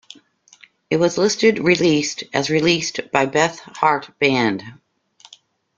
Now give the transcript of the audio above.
It was listed released as released by Beth Hart Band.